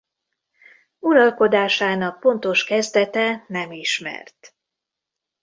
Uralkodásának pontos kezdete nem ismert.